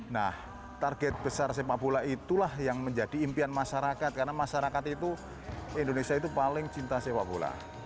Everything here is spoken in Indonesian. nah target besar sepak bola itulah yang menjadi impian masyarakat karena masyarakat itu indonesia itu paling cinta sepak bola